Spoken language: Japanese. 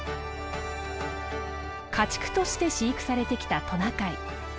家畜として飼育されてきたトナカイ。